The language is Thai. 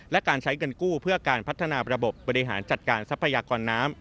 และการใช้เงินกู้เพื่อการพัฒนาระบบบบริหารจัดการทรัพยากรน้ำ